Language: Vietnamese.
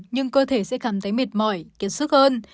nhưng cơ thể sẽ cảm thấy mệt mỏi kiệt sức hơn